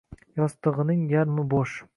Yostig’ining yarmi bo’sh.